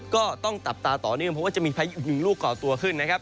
ก็ต้องจับตาต่อเนื่องเพราะว่าจะมีพายุหนึ่งลูกก่อตัวขึ้นนะครับ